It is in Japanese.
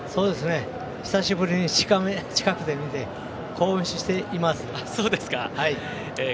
久しぶりに近くで見て興奮しています。